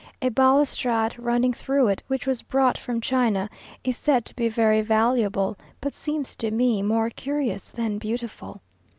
A balustrade running through it, which was brought from China, is said to be very valuable, but seems to me more curious than beautiful.